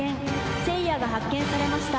せいやが発見されました。